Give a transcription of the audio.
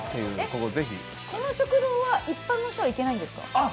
この食堂は一般の人は行けないんですか？